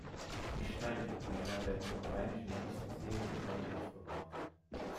Die Steindenkmäler werden im Rheinischen Landesmuseum in Bonn aufbewahrt.